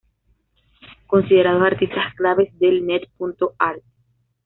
Considerados artistas claves del net.art.